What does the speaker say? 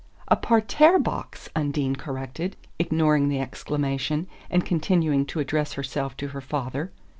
"A parterre box," Undine corrected, ignoring the exclamation, and continuing to address herself to her father.